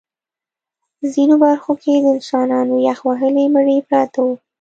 ځینو برخو کې د انسانانو یخ وهلي مړي پراته وو